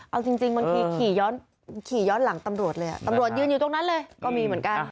เอาจริงบางทีขี่ย้อนหลังตำรวจเลยตำรวจยืนอยู่ตรงนั้นเลยก็มีเหมือนกัน